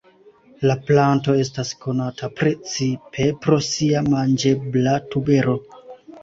La planto estas konata precipe pro sia manĝebla tubero.